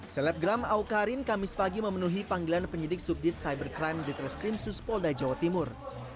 selebgram awkarin kamis pagi memenuhi panggilan penyidik subdit cybercrime di treskrim suspolda jawa timur